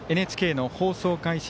ＮＨＫの放送開始